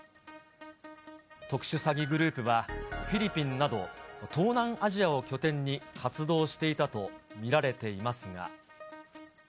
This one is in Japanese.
特殊詐欺グループは、フィリピンなど東南アジアを拠点に活動していたと見られていますが。